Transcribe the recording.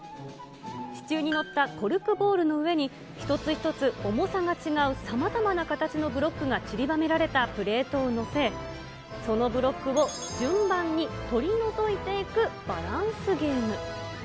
支柱に載ったコルクボールの上に一つ一つ重さが違うさまざまな形のブロックがちりばめられたプレートを載せ、そのブロックを順番に取り除いていくバランスゲーム。